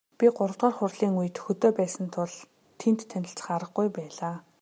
Би гуравдугаар хурлын үед хөдөө байсан тул тэнд танилцах аргагүй байлаа.